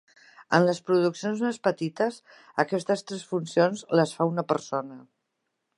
En les produccions més petites, aquestes tres funcions les fa una persona.